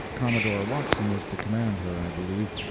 Commodore Watson is to command her I believe.